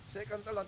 saya kan telat